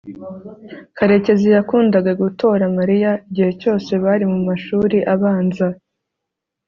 karekezi yakundaga gutora mariya igihe cyose bari mumashuri abanza